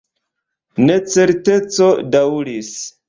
Necerteco daŭris.